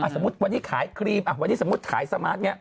สมมุติว่าวันนี้ขายครีมวันนี้ขายสมาร์ท